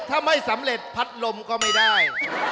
ถ้าไม่สำเร็จพัดลมก็ไม่ได้